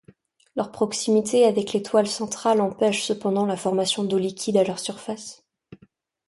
Leur proximité avec l'étoile centrale empêche cependant la formation d'eau liquide à leur surface.